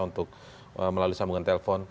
untuk melalui sambungan telepon